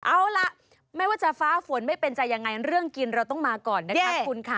เอาล่ะไม่ว่าจะฟ้าฝนไม่เป็นจะยังไงเรื่องกินเราต้องมาก่อนนะคะคุณค่ะ